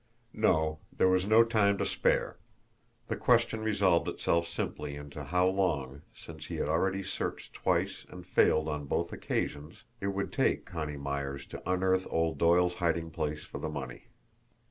No, there was no time to spare the question resolved itself simply into how long, since he had already searched twice and failed on both occasions, it would take Connie Myers to unearth old Doyle's hiding place for the money.